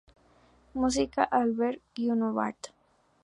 Música: Albert Guinovart.